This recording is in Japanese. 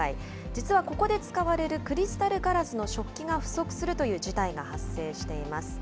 実はここで使われるクリスタルガラスの食器が不足するという事態が発生しています。